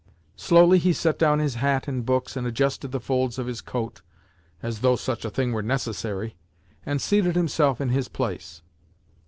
Slowly he set down his hat and books and adjusted the folds of his coat (as though such a thing were necessary!), and seated himself in his place.